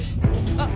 あっ！